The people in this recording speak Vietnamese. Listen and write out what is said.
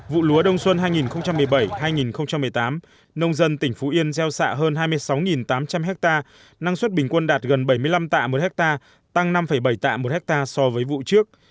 vụ lúa đông xuân hai nghìn một mươi bảy hai nghìn một mươi tám nông dân tỉnh phú yên gieo xạ hơn hai mươi sáu tám trăm linh ha năng suất bình quân đạt gần bảy mươi năm tạ một ha tăng năm bảy tạ một ha so với vụ trước